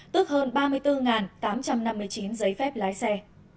tức hơn ba mươi bốn tám trăm năm mươi chín giấy phép lái xe